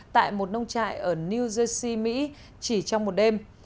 tại một nông trại ở new jersey mỹ chỉ trong một đêm